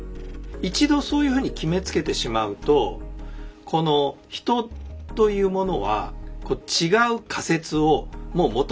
一度そういうふうに決めつけてしまうと人というものは違う仮説をもう求めなくなるんですね。